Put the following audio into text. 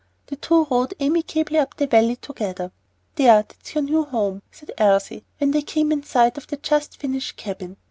The two rode amicably up the valley together. "There, that's your new home," said Elsie, when they came in sight of the just finished cabin.